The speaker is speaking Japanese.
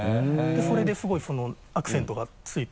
それですごいアクセントが付いて。